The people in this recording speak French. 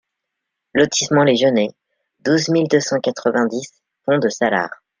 Lotissement les Genêts, douze mille deux cent quatre-vingt-dix Pont-de-Salars